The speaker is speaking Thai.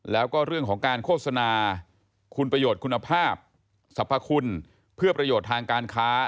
แล้วก็เรื่องของการโฆษณาคุณประโยชน์คุณภาพสรรพคุณเพื่อประโยชน์ทางการค้า